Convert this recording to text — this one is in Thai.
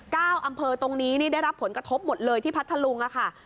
อำเภอตรงนี้นี่ได้รับผลกระทบหมดเลยที่พัทธลุงค่ะ